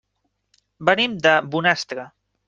Venim de Bonastre.